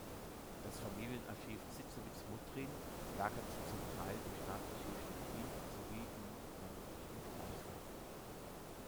Das Familienarchiv Zitzewitz-Muttrin lagert zum Teil im Staatsarchiv Stettin sowie im Landesarchiv Greifswald.